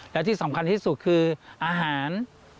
และที่สำคัญที่สุดคืออาหาร